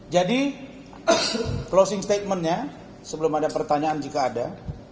jadi closing statement nya sebelum ada pertanyaan jika ada